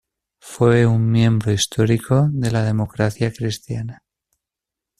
Fue un miembro histórico de la Democracia Cristiana.